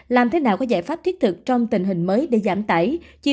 làm thế nào có giải pháp thiết thực trong tình hình mới để giảm tải